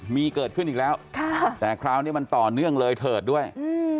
มีเกิดขึ้นอีกแล้วแต่คราวนี้มันต่อเนื่องเลยเถิดด้วย